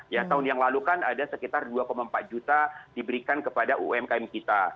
ya tahun yang lalu kan ada sekitar dua empat juta diberikan kepada umkm kita